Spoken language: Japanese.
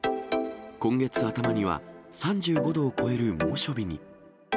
今月頭には、３５度を超える猛暑日に。